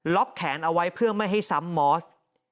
แขนเอาไว้เพื่อไม่ให้ซ้ำมอส